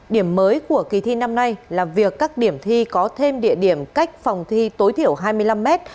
điểm mới của kỳ thi năm nay là việc các điểm thi có thêm địa điểm cách phòng thi tối thiểu hai mươi năm mét